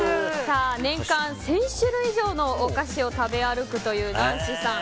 年間１０００種類以上のお菓子を食べ歩くというナンシさん。